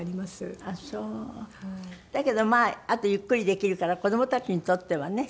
あとゆっくりできるから子供たちにとってはね。